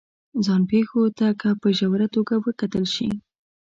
ځان پېښو ته که په ژوره توګه وکتل شي